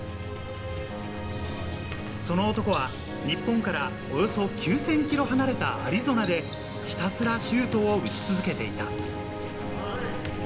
その男は日本からおよそ９０００キロ離れたアリゾナで、ひたすらシュートを打ち続けていた。